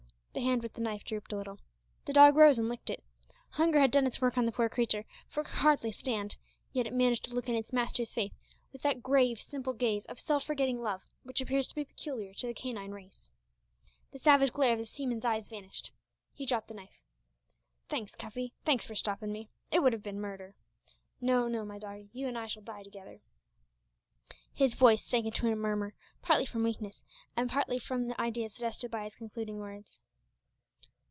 The hand with the knife drooped a little. The dog rose and licked it. Hunger had done its work on the poor creature, for it could hardly stand, yet it managed to look in its master's face with that grave, simple gaze of self forgetting love, which appears to be peculiar to the canine race. The savage glare of the seaman's eyes vanished. He dropped the knife. "Thanks, Cuffy; thanks for stoppin' me. It would have been murder! No, no, my doggie, you and I shall die together." His voice sank into a murmur, partly from weakness and partly from the ideas suggested by his concluding words.